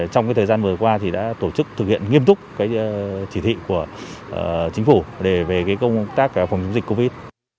trong thời gian vừa qua đã tổ chức thực hiện nghiêm túc chỉ thị của chính phủ về công tác phòng chống dịch covid